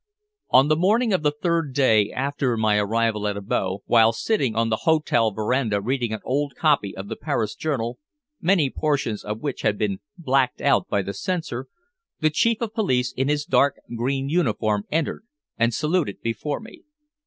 On the morning of the third day after my arrival at Abo, while sitting on the hotel veranda reading an old copy of the Paris Journal, many portions of which had been "blacked out" by the censor, the Chief of Police, in his dark green uniform, entered and saluted before me.